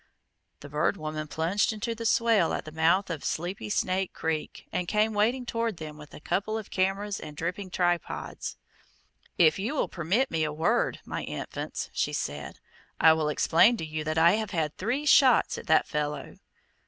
The Bird Woman plunged into the swale at the mouth of Sleepy Snake Creek, and came wading toward them, with a couple of cameras and dripping tripods. "If you will permit me a word, my infants," she said, "I will explain to you that I have had three shots at that fellow."